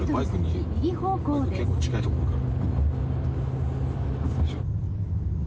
結構近いとこおるから。